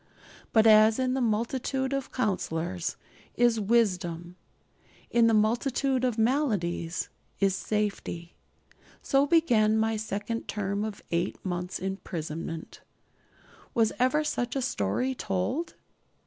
But as in the multitude of counsellors is wisdom, in the multitude of maladies is safety. So began my second term of eight months' imprisonment. Was ever such a story told?